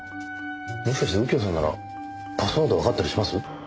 もしかして右京さんならパスワードわかったりします？